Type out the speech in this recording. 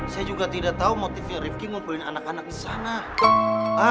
saya juga tidak tau motifnya rifki ngumpulin anak anak disana